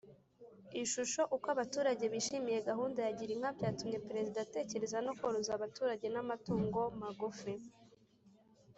Ishusho Uko abaturage bishimiye gahunda ya Girinka byatumye perezida atekereza no koroza abaturage nama natungo magufi.